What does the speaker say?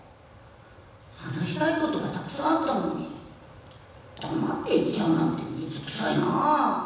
話したいことがたくさんあったのに、黙って行っちゃうなんて水くさいなぁ。